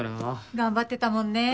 頑張ってたもんね。